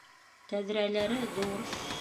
Тәҙрәләре ҙур